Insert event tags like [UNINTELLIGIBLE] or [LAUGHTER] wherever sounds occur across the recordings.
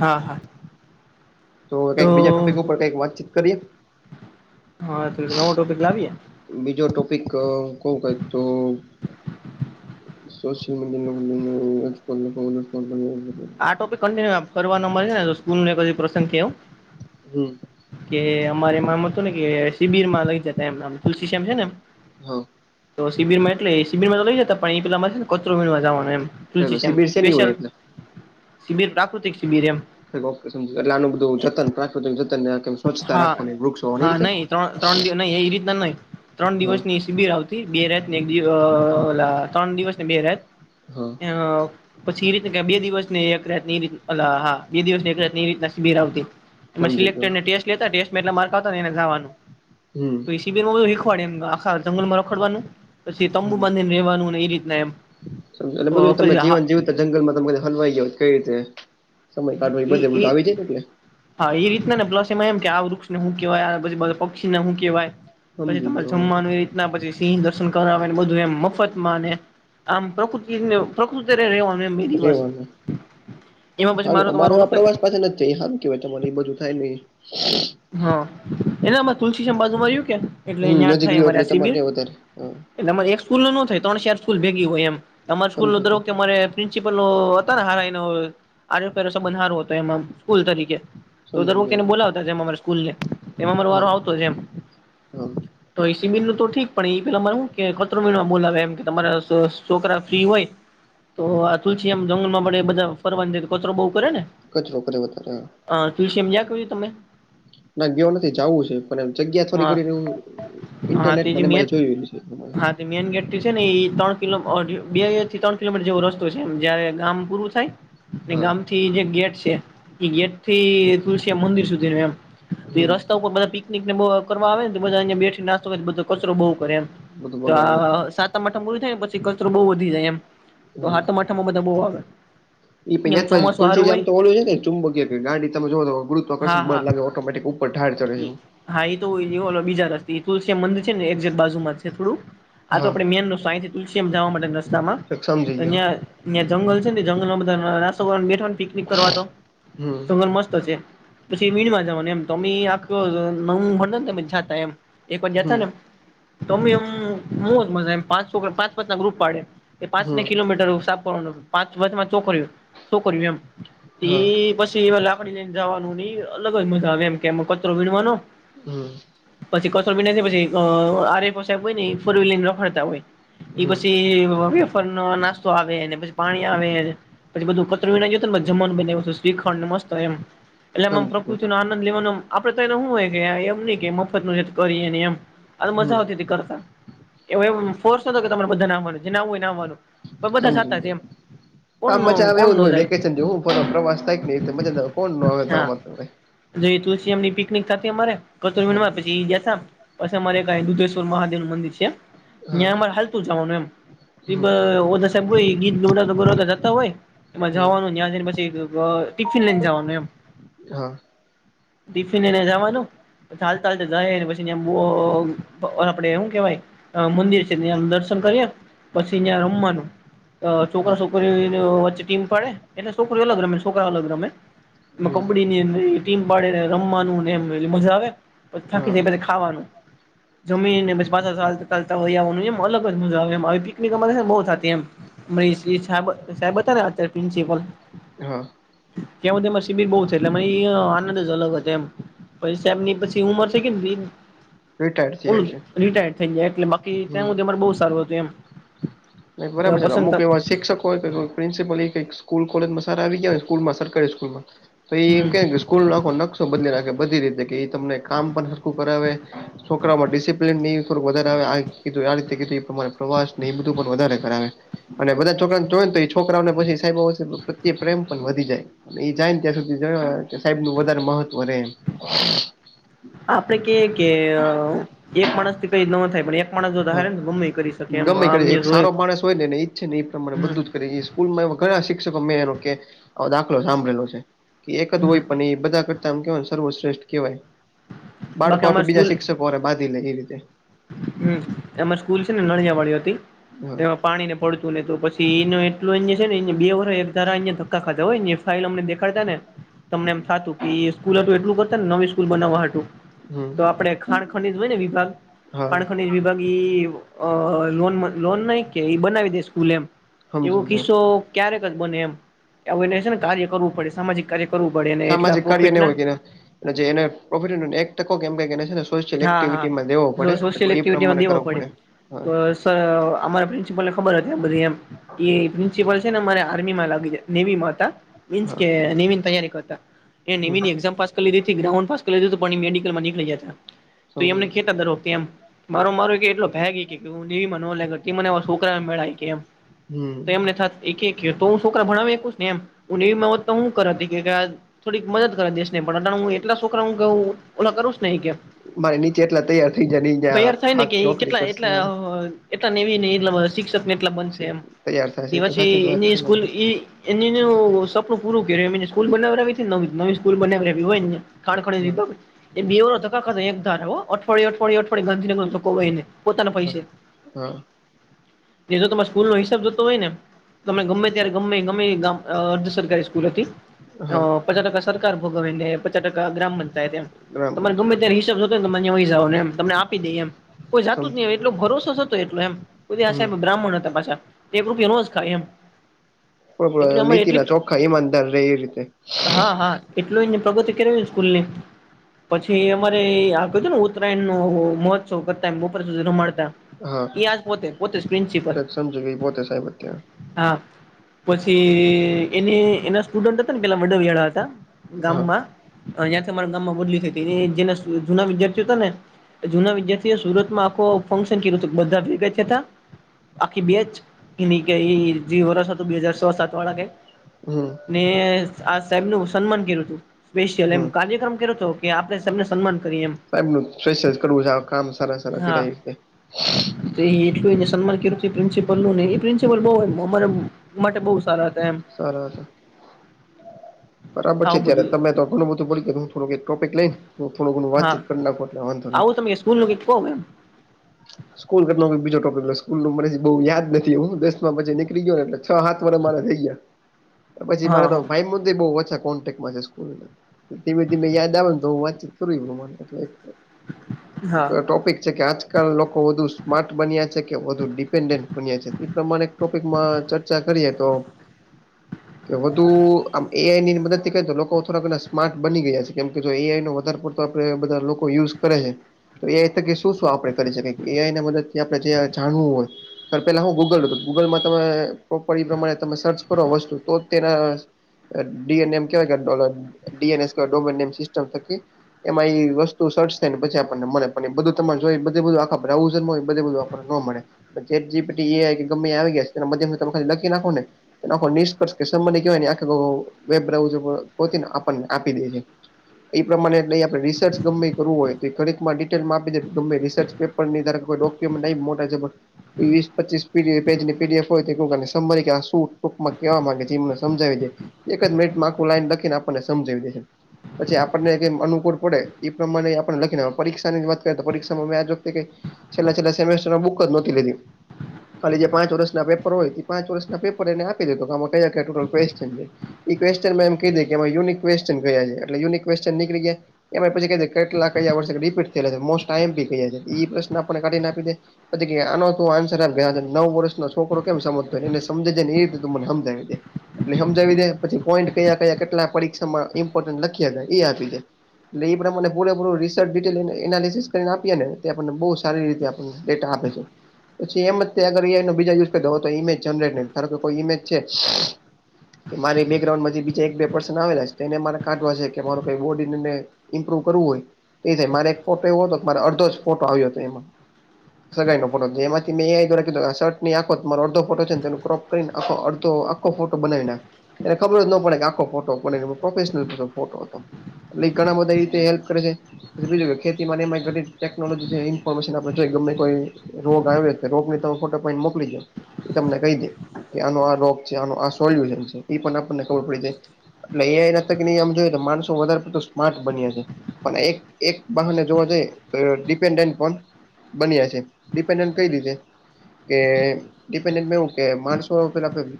હા હા તો કઈક બીજા ટોપિક ઉપર કઈક વાતચીત કરીએ હા નવો ટો પિક લાવીએે બીજો ટોપિક કવું ક તો સોશિયલ મીડિયા લોકો આજલ લોકો આ ટોપિક કિન્યુ ફરવાનો મળે છે ને સ્કૂલ ન એકજ પ્રસંગ કેવું હમ કે અમારે એમાં આમ હતું ને કે શિબિર માં લઈ જતા એમમ તુલસી શમ હે ને એમ હા તો શિબિરમાં એટલે એ શિબિરમાં લઈ જ ત પણ એ પેલામાં ને કચરો વીણવા જવાનું એમ તુલ છેમ શિબિર શેની સ્પેશયલ હોય એટલે શિબિર પ્રાકૃતિક શિબિર એમ એટલે આનું બધું જતન પ્રાકૃ જન સ્વચ્છતા હા રાખવા વૃક્ષો હા રીતે નહી ત્રણ ત્રણ દિવસ નઈ એ રીતના નઈ ત્રણ હા દિવસની શિબિર આવતી બે રાત ને એકિવ ત્રણ દિવસ ને બે રાત હા અ પછી એ રીતની બે દિવસ ને એક રત ની રીત હા બે દિવસની એક રત એ રીતના શિબિર આવતી એમાં સમજી સિલેક્ટ ગયો ને ટેસ્ટ લેતા ટેસ્ટમાં એટલા માર્ક આવતા એને જવાનુ હમ તોઈસીબમાં હીખવાડે એ આખા જંગલમાં રખડવાનું પછી તંબુ બાધીને રહેવાનું ને એ રીતના એમ સમ એટ અ બધું તમને પછી હા જીવન [UNINTELLIGIBLE] જંગલ માં તમે હલવાઈ ગયો કઈ રીતે સમય કાઢવા ઈ બધે બધું ઈ આવી જાય ને એટલે. હા એ રીતના ને પ્લસ એમાં એમ કે આ વૃક્ષ ને હું કેવાય પક્ષી ને હું કેવાય પછી સમજી તમારે ગયો જમાનું એ પછી સિંહ દર્શન કર આવે બધું એમ મફત માં અને આમ પ્રકૃતિને પ્રકૃતિ રેવાનું એમ મીની બસ એમાં પછ મારે એવા પ્રવાસ પાસે જ થાય હ કેવાય તમારે એ બધું થાય નહીં. હા એના તુલસીમ બાજુમાંર્યું કે હમ એટલેયા નજીક થાય રહ્યો અમારે એટલે આ તમારે શિબિર. ત્યાં વધારે હા એટલેરે એક સ્ૂલ નો થાય ત્રણ ચાર સ્કલ ભેગી હોય એમ અ તમારે સ્કૂલ નો સમજી ધરો ગયો કેરે પ્રિન્સિપલો હતા ને હારા એનો આરો પેરો બંધ હારો હતો એમાં સ્કૂલ તરીકે તો સમજી દર ગયો એને બોલાવતા છે અમારા સ્કૂલ ને એમાં અમારો વારો હા આવતો જ એમ હા તો એસીબિન નું તો ઠીક પણ એ પેલા મારે શું ખતરોમિનમાં બોલાવે એમ કે તમારા છોકરા ફ્રી હોય તો આ તુલસી એમ જંગલમાં પડે એ બધા ફરવાની છે કચરો બહ કરેને કચરો કરે વધારે હા હ તુલ્શિમ્યાં કહું છું તમે ના ગયો નથી જું છે પણ. જગ્યા થોડી હા ઘડી હા તો ઇન્ટરનેટ એ જે મ મેન ઇ જોય છે. હા મેન ગેટથી છે ને એ ત્રણ કિલો બે થી ત્રણ કિલોમીટર જેવો રસ્તો છે એમ જયારે ગામ પૂરું થાય. હા ગામ થી જે ગેટ છે એ ગેટ થી તુલસીિયા મંદિર સુધી ન એમ તો એ હમ રસ્તા ઉપર બધા પિકનિકને બહુ કરવા આવે ને તો બધા અં બેઠી નાસ્તો કરીને બધા કચરો બહુ કરે એમ બધું તો બગાડે બધું આ સાતમ આઠમ પૂર થાય ને પછી કચરો બહુ વધી જાય એમ તો સાતમ આઠમ માં બધા બહુ આવે. એ પ એમ ચોમાસું હારું તલસીમ હોય તો ઓલું છે ચુંબકીય કે ગાડી તમે જોો હા ગુત્વકર્ષણ બ હા લાગે ઉપર ઠાર ચડ છેું [UNINTELLIGIBLE] હા એ તો બીજા રસ્ થી તલસ્યામ મંદિર છે ને એકેક બાજુમાં જ છે થોડું આ તો હા આપડે મેન રસ્તેથી તુલસીમ જવા માટે રસ્તામાં ચક સમજી અં ગયો ્યાં જંગલ છે ને જંગલ માં બધા નાસ્તો કરવા બેઠા પિકનિક કરવા તો હમ જંગલ મસ્ત હશે પછી વીણમાં જવાનું. તો આ ન ભ ને ત એમ એક બાજ્યા હતા હમ ને એમ તો અમમ જ મજા એમ પાંચો પાંચ પાંચ ના ગ્રુપ પાડે એ પાંચને હમ કિલોમીટર પાંચ છોકરી છોકરી એમ હા પછી કડી લઈને જવાનું નઈ અલગ જ મજા આવે એમ કેમાં કચરો વીણવાનો હમ [INAUDIBLE] પછી કચરો વિણય જાયપછી આરે ઑફ સાહેબ એ ફોર વિલ લ ઇ રખડતા હોય. એ હમ પછી વેફરનો નાસ્તો આવેને, પછી પાણી આવે. પછી બધું કતર ના જમાનું બના્યું શ્રીખંડ ને મસ્ત એમ સમજી ગયો એટલેમકૃતિ આનંદ લેવાનું આપડે તો એને શું હોય કે એમ નહી કે મફતનું છે કરીએ એમ અને મજા હમ આવતી હતી કરતા એ ફોર્સનતો તમારે બધા નાવાનું જેને આવુ એનેઆવવાનું. પણ બધા સમજી સાતા છે ગયો એમ. કોણ આમ ન મજા આવે કોણ જ ન જાય હોયવેકેશન હું પ્રવાસ થાય મજા કોણ નો આવે જો તુલસી એમની પિકનિક થાતિઅમારે કચરો હા વિણવાપછી જાતા. પછ અમારે દુધેશ્વર મહાદેવ નું મંદિર છે અ્યાં અમારે હા હાલતું જવાનું એમ. એ હમ ઓઝા સાહેબ એ ગીત ગવડાવતા ગવડાવતા ત જતા હોય. એમાં હમ જવાનું ન્યા જઈને પછી ટિફિન લઈને જવાનું એમ. હા [UNINTELLIGIBLE] ટિફિનને જવાનું ચાલતા ચાલતા જાયને પછી આપડે એું કેવાય મંદિર છે ત્. યા દર્શન કર્યા પછી અં રમવાનું. હા છોકરા છોકરી વચ્ચે ટીમ પડે એટલે છોકરી અલગ રમે છોકરા અલગ રમે. ન હમ કોબડીની ટીમ પાડીને રમવાનું એમ મજા આવે પછી થાકી હા જાય પછિખાવાનું. જમીને પપચ સ [INAUDIBLE] ચાલતા આવવાનું એમ અલગ જ મજા આવે એ આવી પિકનિક બહુ થતી એમ. અરી સાબ સાહેબ હતા અત્યારે પ્રિન્સિપલ હા કેવુંછે મા શિબિર બહુ છે, એટલે મે ઐયા આનંદ જ અલગ હતો એમ પૈસા એમની પછી ઉંમર થઈ ગઈની બીમ રિટાયર્ડ થયા ઉર્દ છે રિટાયડ થઈ જાય, એટલે બાકી ત્યાં મુ અમારે બહુ સારું હતું એમ. નહી બરાબર એવા છે, પ્રસંગ થ અમુક એવા શિક્ષક હોય કે, પ્રિન્સિપલ એ ક સ્કૂલ કોલેજમાં આવી ગયા સ્કૂલમાં સરકારી સ્કૂલમાં તો હમ એમ કે સ્કૂલ નો આખો નકશો બદલી નાખ્યો બધી રીતે કેઈ તમને કામસરખું કરાવે. છોકરામાં ડિસિપ્લન ની થોડક વધારે આવેીધું આ રીતે કીધું પ્રવાસ પણ વધારે કરાવે અને બધા છોકરાઓને જોય તો એ છોકરાઓને પછી સાહેબ પ્રત્યે પ્રેમ પણ વધી જાય. એ જાય ને ત્યાં સુધી જણ સાહેબ નું વધારે મહત્વ રે એ આપડે કે કેઅ એક માણસ થી કઈ ન થાય, પણ માણસ જો હા ધારે ને ગમે ઈ કરી શકે એમ ગમે કરે આમ એક જોય સારો માણસ હોય ને એને ઈચ્છે ને એ પ્રમાણે હમ બધું જ કરે. સ્કૂલમાં એવા ઘણા શિક્ષકો મેં એનો કે દાખલો સાંભળેલો છે, કે એક જ હમ હોય પણ એ બધા કરતા એમ કેવાયને સર્વશ્રેષ્ઠ કેહેવાય, બાકી બાળકો તો અમારી સ્કૂલ બીજા શિક્ષકોને બાંધી લે એ રીતે. હમ્મ, એમાં સ્કૂલ છે ને નળિયા વાળી હતી, હા એમાં પાણી ને પડતું લીધું, પછી એનું એક [UNINTELLIGIBLE] એ છે નેબે વરહ એકધારા એમને ધક્કા ખાધા હોય ને ફાઇલ અમને દેખાડતાને તમને એમ થાતું કે સ્કૂલ હતું એટલું કરતા, ને નવી સ્કૂલ બનાવવા હતું. હમ તો આપડે ખાણ ખાનીજ હોય ને વિભાગ હા ખાણ ખનીજ વિભાગ ઈ અ લોન, લોન નહી કે બનાવી દે સ્કૂલે એમ. એવો સમજી ગયો કિસ્સો ક્યારેક જ બને એમ, એવું એને છે ને કાર્ય કરવું પડે સામાજિક કાર્ય. કરવું પડે એને એટલા પ્રોફિટ ના. અને જે એને પ્રોફિટ હોય ને એક ટકો કે એમ કંઈક એને છેને સોશયલ હા એક્ટિવિટીમાં દેવો પડે, હા સોશિયલ એટલે એ એક્ટિવિટીમાં પ્રમાણે દેવો કરવું પડે હા. તો સર અમારા પ્રિન્સિપલ ને ખબર હતી એમ બધી એમ. એ પ્રિન્સિપલ છે ને અમારે આર્મી માં લાગીયા નેવી માં હતા. મીન્સ હા કે નેવી ની તૈયારી કરતા, કે નેવી હમ ની એક્ઝામ્પ પાસ કલીરેતી ગ્રાઉન્ડ પાસ કરી મેડિકલ માં નીકળી જતા, તો એમને સમજી ગયો કેતા દર વખતે એમ. મારો મારો ભી એટલો ભેઈકે કે હું નેવીમાં ન લેગાટ કે માને ઓ છોકરા મેળય કે એમ, તો એમને હમ થાત એકે ખેતો છોકરા ભણાવે કુશ ને એમ, હુ નેવી માં હોત તો હું કરત [UNINTELLIGIBLE] થોડીક મદદ કરા દેશને પણ હું એટલા છોકરાઓ કે ઓલા કરુંશ ને હી કે. મારે નીચે એટલા તૈયાર થઈ જાય ને ઈ જ્યાં તૈયાર થાય ને ભાગ કે નોકરી કેટલા કરશે એટલા હા અહ એટલા નેવી ને એટલા બધા શિક્ષ કને એટલાક બનશે સે- એમ, તૈયાર થશે તેવા તો છે સાચી જ વાત એની છે ને સ્કૂલ ઈ એનીનું સપનું પૂરું કર્યું, એમીન સ્કૂલ બનાવદાવી છે નવી, નવી સ્કૂલ બનાવી હોય ને. કાણ ખણે બેધ હા કા એક દીવો ટકાખરે હો, અઠવાડિયે અઠવાડિયે અઠવાડિયે ગાંધીગર નો ધકો હોય ને પોતાના હા પૈસે, હા બીજો તમાસ સ્કૂલનો હિસાબ જતો હોય ને, તમે ગમે ત્યારે ગમે ગમે દ અ સરકારી સ્કૂલ હતી. હા પચાસ ટકા સરકાર ભોગવે, ને પચાસ ટકા ગ્રામ પંચાયત એમ, ગ્રામ તમાને ગમે તે પંચાયત ચા હોતે ને માનએ તંઈ જાવ ને એમ, તમને આપી દે એમ. કોઈ જાતું જ સમજી નહી ગયો એટલો ભરોસો સતો એટલો એમ, કોબી આ સાહેબ બ્રાહ્મણ હતા પાછા. એક રૂપિયો ન જ ખાય એમ, એટલે પણ અમારે નીતિ એટલી ના ચોખ્ખા ઈમાનદાર રે એવી રીતે. હા હા એટલું એને પ્રગતિ કરેલી સ્કૂલ ની, પછી એમ પરે આગળ છેને ઉત્તરાયણ નુ મહોત્સવ કરતા એમ બપોર સુધી રમાડ તા, હા એ આ પોતે, પોતે પિન્સિપલ, તો સમજી ગઈ પોતે સાહેબ અત્યારે હા. પછી એને એના સ્ટુડન્ટ હતા ને પેલા વડિયાળા હતા, હા ગામમાં. ઐયાથી અમારા ગામમાં બદલી થઈ હતી, એ જેના શુ જૂના વિદ્યાર્થી હતા ને, જુના વિદ્યાર્થીઓએ સુરતમાં આખો ફંક્શન કિરુ તુ, બધા ભેગા થયા હતા. આખી બેચ, એની ગઇ જે વરષ હતું બે હાજર સો સાત વાળા કે હમ ને આ સાહેબનું સન્માન કર્યું હતું, સ્પેશિયલ એમ હમ કાર્યક્રમ કર્યો હતો. આપણે સને સાહેબ [UNINTELLIGIBLE] કરવું છે આખા આમ સારા સારા કરે હા છે. એટલું એને સન્માન કર્યું પ્રિન્સપલનું એ પ્રિન્સિપલ બી અમારે માટે બહુ સારા હતા એમ. સરસ. બરાબર છે આવું ત્યારે, બધું તમે તો ઘણું બધું બોલી ગયા હું થોડું એક ટોપિક લઈ હું થોડ ઘણુ હા વાતચીત કરી નાખો, એટલે વાંધો નહિ આવું તમે સ્કૂલનું કહો એમ. સ્કૂલ કરતા બીજો ટોપિક સ્કૂલનું મેં બો યાદ નથી. હું દસમાં પછી નીકળીયોને એટલે હ -સાત વર્ષ મારે થઈ ગયા. [INAUDIBLE] પછી મારે તો હા ભાઈ મુદે બો ઓછા કોન્ટેક તે બધી મે યાદ આવે ને તો હું વાતચીત કરું હા ટોપિક છે કે આજ લોકો વધુ સ્માર્ટ બન્યા છે, કે વધુ ડિપેન્ડન્ટ બન્યા છે. એ પ્રમાણે ટોપિકમમાં ચ ર્ચા કરીએ તો [INAUDIBLE] કે વધુ આમ એ આઈની મદદથી કર તો લોકો થોડા ઘણા સ્માર્ટ બની ગયા છે, કેમ કે જો એ આઈ નો વધારે આપે બધા લોકો યુઝ કરે છે, તો એ આઈ તકે શું શું આપડે કરી શકે એ મદદથી આપે જે જાણવું હોય. સર, પેલા હું ગૂગલ હતો ગૂગલમાં તમે પ્રોપર એ પ્રમાણે તમે સર્ચ કરો વસ્તુ તો તેના ડી એન એમ કે ડી એન સો ડોમ નો સિસ્ટમ થકી એમાં ઈ વસ્તુ સર્ચ થાય ને પછી આપણને મળે પણ એ બધું તમારે જોઈએ. બધું આખા બ્રાઉઝરમાં હોય બધું આપને મળે. જે પેછી એ કે ગમે આવી ગયા છે, એના મધ્યમ તમે ખાલી લખી નાખો ને એખો નિષ્કર્ષ કે સંંધ કેવાય આ વેબ બ્રઉને આપણને આપી દે છે. એ આઈ પ્રમાણે લઈ આપણે રિસર્ચ ગમેં કરવું હોય તો એ ઘડીકમાં ડિટેલમાં આપી દે. તમે રિસર્ચ પેપર ની કોઈ ડોક્યુમેન્ટ લઈ મોટે છે વિસ-પચીસ પી ડી એફની હોયી આમાં શું ટૂકમાં કેવા માંગે છે એમને સમજાવી દે એક જ મિનિટમાં આખી લાઈન લખીને સમજાવી દેશે. પછી આપણને એમ અનુકળ પડ એ પ્રમાણે આપણે લખીને પરીક્ષાની જ વાત કરીએ તો પરીક્ષામાં છેલ્લા-છેલ્લા સેમેસ્ટર બુક જ નથી લીધી ખાલી જે પાંચ વર્ષના પેપર હોય પાંચ વર્ષના પેપર એને આપી દીધું આમાં કે ટોટલ પેસા છે. એ ક્યુસશનમાં એ ક દે કેમાં યુનિક ક્યુસશન કયા એટલે યુનિક નીકળ ગયા એમાં પછી કેટલા કયા વર્ષ રીપીટ થેલાી પ્રશ્નનો આપણે કાઢીને આપી દે. પછી કે આનો તો આન્સર આપ ગયા નવ વર્ષ છોકરો કેમ સમજતો હોય એને સમજ જે ને એ રીતે તો મને સમજાવી દેય. એટલે સમજાવી દે પછી પોઈન્ટ કયા-કયા કેટલા પરીક્ષામાં ઇમપોર્ન્ટ લખી જાય એ આપી દે. એટલે એ પણમા મને પૂરેપૂરું રિર્ચિટેલ એનાલિસિસ કરીને આપીએ ને આપણને બહુ સારી રીતે આપણને ડેટા આપે છે. પછી એમ એ બીજા યુઝ કર દો હોય તો ઇમેજ જનરેટ ને કે કોઈ ઈમેજ છે. કે મારી બેકગ્રાઉન્ડમાં બીજા એક બે પર્સન આવેલા છે એને મારે કાઢવા છે કે મારઈ બોડીને ઇમ્પ્રુવ કરવું હોય એ થાય મારે એક ફોટો એવો હતો મારે અડધો જ ફોટો આવ્યો હતો એમાં. [INAUDIBLE] લગાવી દેય ફોટો એમાંથીની આખો મારો અડધો ફોટો છે તેપણ કરીને એ અડધો આ આખો ફોટો બનાવીને ખબર જ ન પડે કે આખો ફોટો બી પ્રોફેશનલ ફોટો હતો. એટલે ઘણા બધા એ રીતે હેલ્પ કરે છે બીજું કે ખેતી એ ટેકનોલોજી ઇફોર્મેશન આપને જોય ગમેં કોઈ રોગ આવ્યો તો રોગની તમે ફોટો મોકલી દો. એ તમને કહી દે કે આનો આ રોગ છે આનો આ સોલ્યુશન છે એ પણ આપણને ખબર પડી જાય એટલે એ ના ન આમ જોય માણસો વધારે પડતો સ્માર્ટ બન્યા છે પણ એક એક બાહને જોવા જઈએ તો ડિપેન્ડન્ટ પણ બન્યા છે ડિપેન્ડન્ટ કઈ રીતે કે એ પેલા કેવું માણસો પે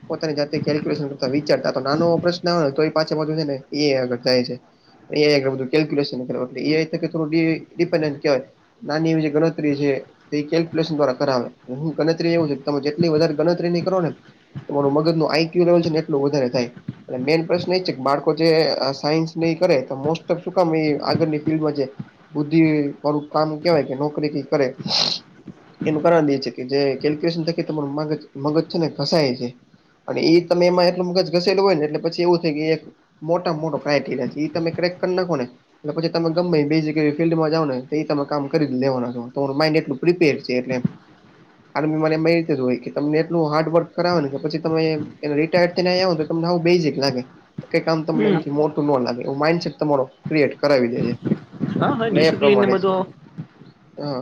પોતાની જાલ્ક્યુલેશન કરતા વિચારતા નાનો ઓપરેસ ના તો એ પાછા [UNINTELLIGIBLE] છે ને એ આગળ જાય છે [UNINTELLIGIBLE] કેવાય નાની એ જે ગણતરી છે એ કેલ્ક્યુલેશન દ્વારા કરાવે હું ગણતરી એવું છ કે તમે જેટલી વધારે ગણતરી ની કરો ને તમાું મગજ નું આક્યુ લેવલ છે ને એટલું વધારે થાય એ મેન પ્રશ્ન એ છે કે બાળકો જે સાયન્સ નહી કરે તો મોસ્ટ ઓફ શું કામ આગળની ફિલ્ડમાં છે બુદ્ધિ મારું કામ કેવાય કે નોકરી કઈ કરે એનું કારણ એ છે કે જે કેલ્ક્યુલેશન થકી તમારુંમગજ મગજ છે ને ઘસાય જાય અને એ તમે એમાં એટલ મગજ ઘસેલું હોય એટલે પછી એવું થાય કે એક મોટા મોટો ક્રાઈટેરિયા છે એ તમે ક્રેક કરી નાખો ને પછી તમે ગમે બે જગ ફિલ્ડમાં જાવ ને એ તમે કામ કરી લેવાના છો તમારું માઇન્ડ એટલું પ્રિપેર છે એટલેએમ આર્મી મારે એ કીધું હોય કે તમને એટલું હાર્ડવર્ક કરાવે ને કે પછી તમે એને રિટાયર્ડ યાવ તો તમને આવું બેઝિક લાગે કઈ કામ તમને હમ એમથી મોટું ન લાગે એવ માઈન્ડસેટ તમારો ક્રિએટ કરાવી દે છે હા હા નયા ડિસિપ્લિન ને પ્રમાણે જ બધો હા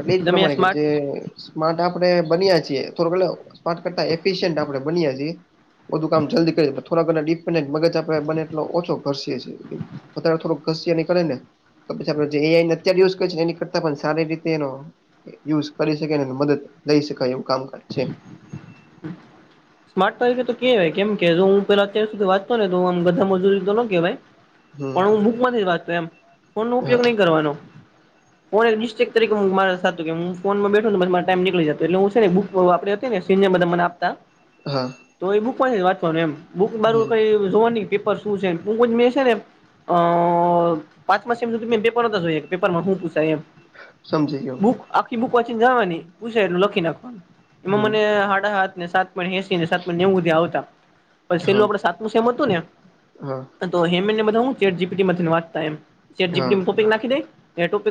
એટલે એજ તમે પ્રમાણે કે સ્માર્ટ જે સ્માટ આપડે બન્યા છીએ થોડું સ્માટ કરતા એફિયન્ટ આપડે બનએ છીએ બધું કામ જલ્દી કરી થોડા ઘણા ડિપેન્ડ મગજ આપે બને એઓ ઓછો ઘસએ છે અત્યારે થોડું ઘસી નીકળે ને તો પછી આપડે જે એ આઈ અત્યારે યુઝ એની કરતા પણ સારી રીતે એનો યુઝ કરી શકે મદદ લઈ શકાય એવું કામકા છે સ્માર્ટ તરીકે તો કેહેવાય કેમ કે જો હું પેલા અતાર સુધી વાંચતો ને તોમ બધા મજૂરી તો ન કેવાય હમ પણ હું બુકમાંથી વાચતો એમ ફોન નો હા ઉપયોગ નહી કરવાનો ફો એકિસ્ટક તકે હું મારે સાું કે હું ફોમાં બેઠો ને મા ટાઈમ નીકળી જતો એટલે હું છે ને બુક [UNINTELLIGIBLE] સિનને બધા મને આપતા હા તો એ બુક વાચવાનું એમ બુક મારું હમ કઈ જોવાની પેપર શું છે મે છે એમ અ પાંચ માસ એમ પેપર જો કે પેપરમાં હું પૂછાય એમ સમજી ગ્યો બુક આખી બુક વાંચીને જવાની પૂછે એટું લખી નાખવાનું એમાં હમ મને હડા હાથ ને સાત પો સાત નેવું આવતા સેલું હા આપડે સાતમું સેમ હતું હા હા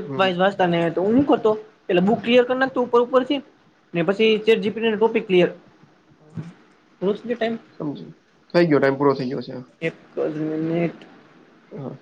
હમ ને [UNINTELLIGIBLE] તાને તો હું હું કરતો પેલા બુક ક્લિયર કરી નાખું ઉપર ઉપરથી ને પછી ચેટ જી પી ટી ને ટોપિક ક્લયર [UNINTELLIGIBLE] ટાઈમ સમજાય ગ્યુ થઇ ગયો ટાઈમ પૂરો થઈ ગયો છે એકજ મિનિટ હા